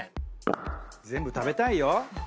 全部食べたいよ。